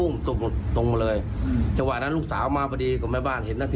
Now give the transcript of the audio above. มันก็เลยชะล่าไม่ยิงไม่กล้าจริง